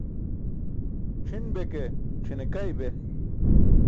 C̣ʰin be ke, c̣ʰine kay be.